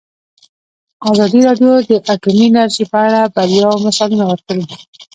ازادي راډیو د اټومي انرژي په اړه د بریاوو مثالونه ورکړي.